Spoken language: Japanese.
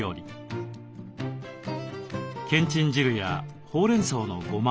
けんちん汁やほうれんそうのごま